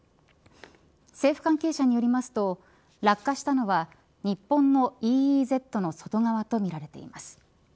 政府関係者によりますと落下したのは日本のＥＥＺの外側とみられています。